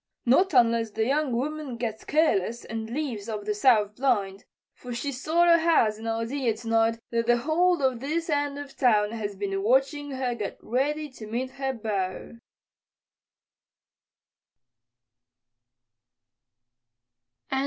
"Not unless the young woman gets careless and leaves up that south blind. For she sort o' has an idea tonight that the whole of this end of town has been watching her get ready to meet her beau."